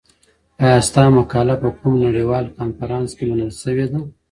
ایا ستا مقاله په کوم نړیوال کنفرانس کي منل سوي ده؟